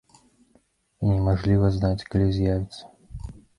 І немажліва знаць, калі з'явіцца?